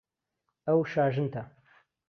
ئەو شاژنتە.